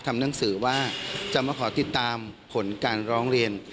ทำหนังสือว่าจะมาขอติดตามผลการร้องเรียน